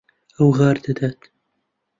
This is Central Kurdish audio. ئەو غار دەدات.